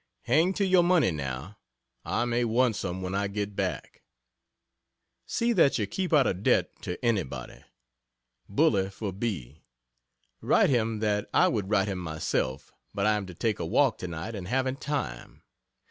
Hang to your money now. I may want some when I get back..... See that you keep out of debt to anybody. Bully for B.! Write him that I would write him myself, but I am to take a walk tonight and haven't time.